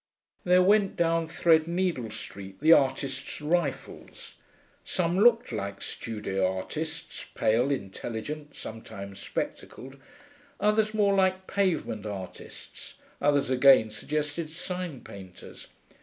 There went down Threadneedle Street the Artists' Rifles. Some looked like studio artists, pale, intelligent, sometimes spectacled, others more like pavement artists, others again suggested sign painters.